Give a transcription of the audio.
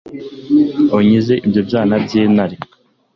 unkize ibyo byana by’intare